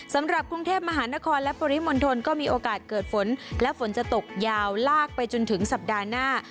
สำหรับกรุงเทพมหานครและปริมณฑลก็มีโอกาสเกิดฝนและฝนจะตกยาวลากไปจนถึงสัปดาห์หน้า